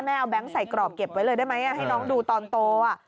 แม่เอาแบงค์ใส่กรอบเก็บเลยได้ไหมให้น้องดูตอนโต